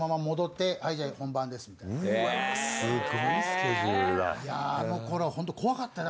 すごいスケジュールだ。